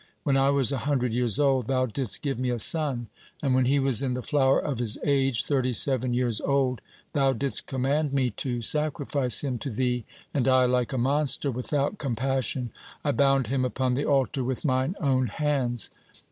When I was a hundred years old, Thou didst give me a son, and when he was in the flower of his age, thirty seven years old, Thou didst command me to sacrifice him to Thee, and I, like a monster, without compassion, I bound him upon the altar with mine own hands.